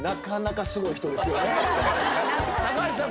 高橋さん